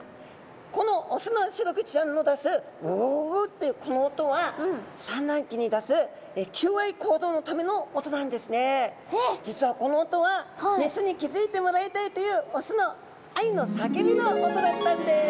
このオスのシログチちゃんの出すグゥグゥグゥグゥというこの音は実はこの音はメスに気付いてもらいたいというオスの愛の叫びの音だったんです！